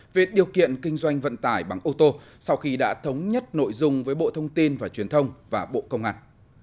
về điều kiện kinh doanh vận tải bằng ô tô sau khi đã thống nhất nội dung với bộ thông tin và truyền thông và bộ công an